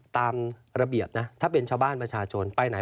ตามระเบียบนะถ้าเป็นชาวบ้านประชาชนไปไหน